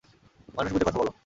মানুষ বুঝে কথা বল!